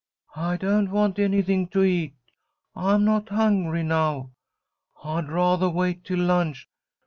"I don't want anything to eat. I'm not hungry now. I'd rathah wait till lunch.